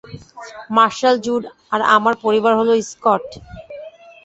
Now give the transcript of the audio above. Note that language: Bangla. মার্শাল জুড আর আমার পরিবার হলো স্কট।